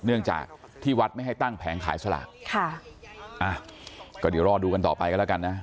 เนื่องจากที่วัดไม่ให้ตั้งแผงขายสลากค่ะอ่ะก็เดี๋ยวรอดูกันต่อไปกันแล้วกันนะ